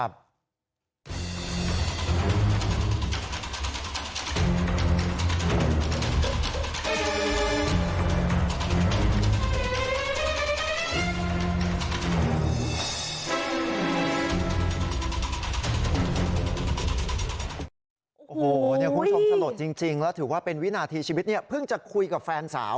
โอ้โหคุณผู้ชมสลดจริงแล้วถือว่าเป็นวินาทีชีวิตเนี่ยเพิ่งจะคุยกับแฟนสาว